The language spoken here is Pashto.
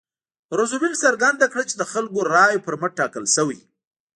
روزولټ څرګنده کړه چې د خلکو رایو پر مټ ټاکل شوی.